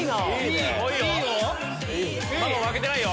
まも負けてないよ。